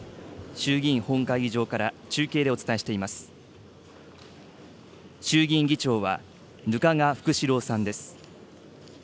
衆議院議長は額賀福志郎さんです。